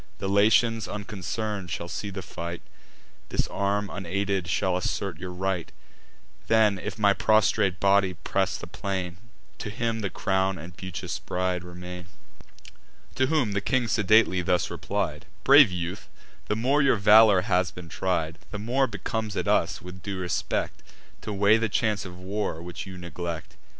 The Latians unconcern'd shall see the fight; This arm unaided shall assert your right: Then, if my prostrate body press the plain, To him the crown and beauteous bride remain." To whom the king sedately thus replied: "Brave youth, the more your valour has been tried, The more becomes it us, with due respect, To weigh the chance of war, which you neglect.